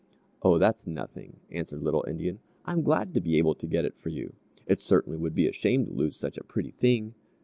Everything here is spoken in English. "Oh, that's nothing!" answered Little Indian. "I'm glad to be able to get it for you. It certainly would be a shame to lose such a pretty thing!"